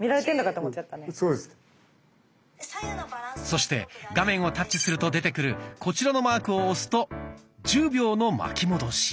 そして画面をタッチすると出てくるこちらのマークを押すと１０秒の巻き戻し。